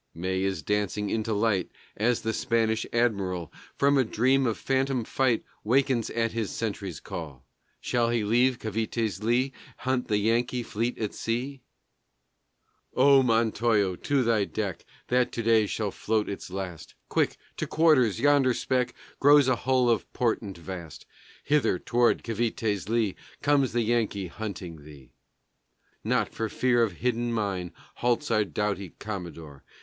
May is dancing into light As the Spanish Admiral From a dream of phantom fight Wakens at his sentry's call. Shall he leave Cavité's lee, Hunt the Yankee fleet at sea? O Montojo, to thy deck, That to day shall float its last! Quick! To quarters! Yonder speck Grows a hull of portent vast. Hither, toward Cavité's lee Comes the Yankee hunting thee! Not for fear of hidden mine Halts our doughty Commodore.